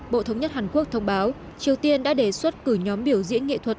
bộ thống nhất hàn quốc thông báo triều tiên đã đề xuất cử nhóm biểu diễn nghệ thuật